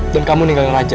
dan kamu nikah sama raja